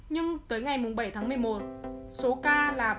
nhưng tới ngày bảy tháng một mươi một số ca là ba mươi bốn tám trăm một mươi